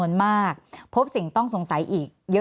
แอนตาซินเยลโรคกระเพาะอาหารท้องอืดจุกเสียดแสบร้อน